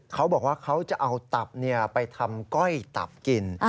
เขาบอกว่าเขาจะเอาตับไปทำก้อยตับกิน